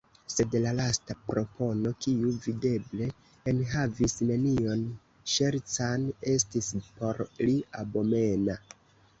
Sed la lasta propono, kiu videble enhavis nenion ŝercan, estis por li abomena.